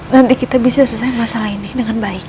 nanti kita bisa selesaikan masalah ini dengan baik